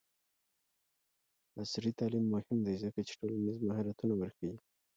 عصري تعلیم مهم دی ځکه چې ټولنیز مهارتونه ورښيي.